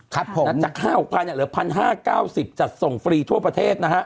ครับผมแล้วจาก๕๖พันเนี่ยเหลือ๑๕๙๐จัดส่งฟรีทั่วประเทศนะฮะ